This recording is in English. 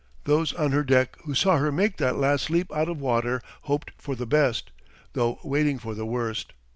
Those on her deck who saw her make that last leap out of water hoped for the best, though waiting for the worst.